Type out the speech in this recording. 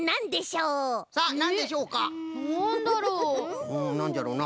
うんなんじゃろうなあ？